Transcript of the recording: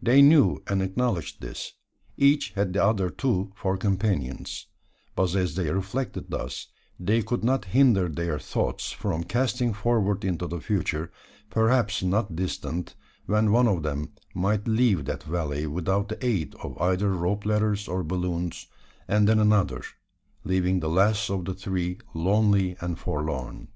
They knew and acknowledged this. Each had the other two for companions; but as they reflected thus, they could not hinder their thoughts from casting forward into the future perhaps not distant when one of them might leave that valley without the aid of either rope ladders or balloons; and then another leaving the last of the three lonely and forlorn!